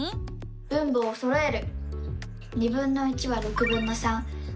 分母をそろえる！